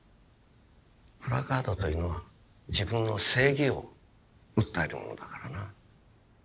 プラカードというのは自分の正義を訴えるものだからな。